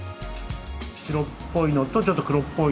白っぽいのとちょっと黒っぽいの。